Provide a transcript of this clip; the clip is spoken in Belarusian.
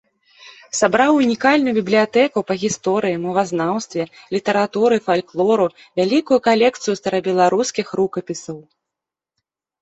Сабраў унікальную бібліятэку па гісторыі, мовазнаўстве, літаратуры, фальклору, вялікую калекцыю старабеларускіх рукапісаў.